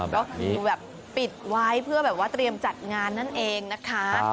ก็คือแบบปิดไว้เพื่อแบบว่าเตรียมจัดงานนั่นเองนะคะ